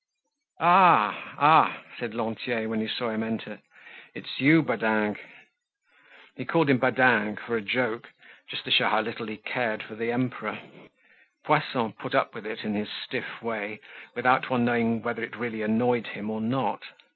"Ah! ah!" said Lantier when he saw him enter, "it's you, Badingue." He called him Badingue for a joke, just to show how little he cared for the Emperor. Poisson put up with it in his stiff way without one knowing whether it really annoyed him or not.